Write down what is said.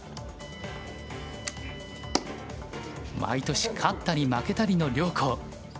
毎年勝ったり負けたりの両校。